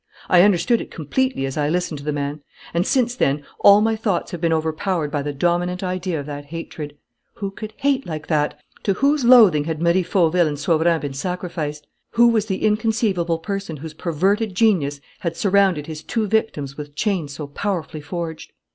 I understood it completely as I listened to the man; and, since then, all my thoughts have been overpowered by the dominant idea of that hatred. Who could hate like that? To whose loathing had Marie Fauville and Sauverand been sacrificed? Who was the inconceivable person whose perverted genius had surrounded his two victims with chains so powerfully forged?